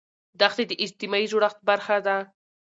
دښتې د اجتماعي جوړښت برخه ده.